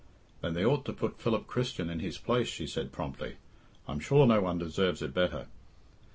"Then they ought to put Philip Christian in his place," she said promptly; "I'm sure no one deserves it better."